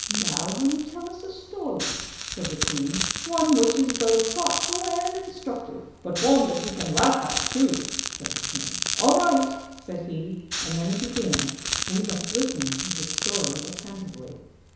" Now will you tell us a story," said the queen, " one which is both thoughtful and instructive." " But one that we can laugh at too," said the king. "All right! " said he, and then he began: we must listen to his story attentively.